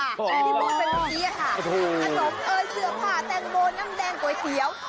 มันเป็นวิเวียค่ะอันตรมเอ่ยเสื้อผ้าแตงโบนน้ำแดงโกยเซียว